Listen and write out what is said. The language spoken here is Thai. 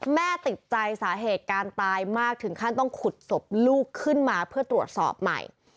แม่ติดใจสาเหตุการตายมากถึงขั้นต้องขุดศพลูกขึ้นมาเพื่อตรวจสอบใหม่